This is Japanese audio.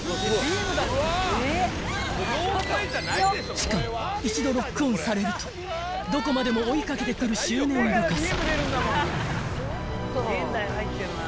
［しかも一度ロックオンされるとどこまでも追いかけてくる執念深さ］